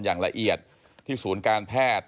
อย่างละเอียดที่ศูนย์การแพทย์